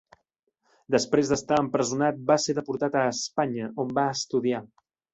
Després d'estar empresonat va ser deportat a Espanya, on va estudiar.